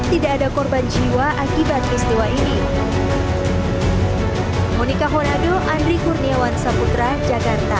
tidak ada korban jiwa akibat peristiwa ini monika konado andri kurniawan saputra jakarta